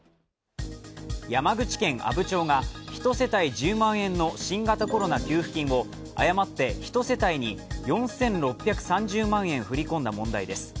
山口県阿武町が１世帯１０万円の新型コロナ給付金を誤って１世帯に４６３０万円振り込んだ問題です。